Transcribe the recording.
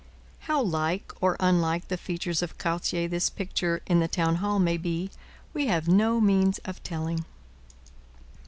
How like or unlike the features of Cartier this picture in the town hall may be, we have no means of telling.